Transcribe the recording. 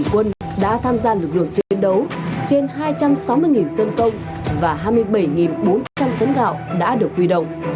quân đã tham gia lực lượng chiến đấu trên hai trăm sáu mươi dân công và hai mươi bảy bốn trăm linh tấn gạo đã được huy động